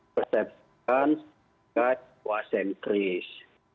persepsikan sekat wasenkris